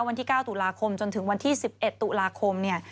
วันที่๙ตุลาคมจนถึงวันที่๑๑ตุลาคมเนี่ย